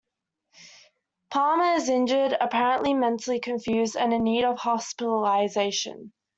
Parma is injured, apparently mentally confused, and in need of hospitalization.